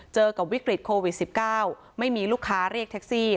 เจอกับวิกฤตโควิด๑๙ไม่มีลูกค้าเรียกแท็กซี่